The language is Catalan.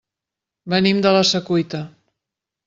Venim de la Secuita.